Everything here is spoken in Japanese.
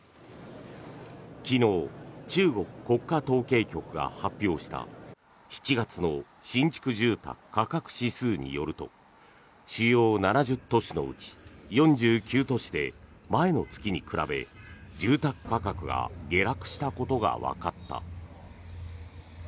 昨日中国国家統計局が発表した７月の新築住宅価格指数によると主要７０都市のうち４９都市で前の月に比べ住宅価格が下落したことがわかった。